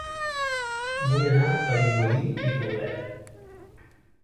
Vull anar a Vimbodí i Poblet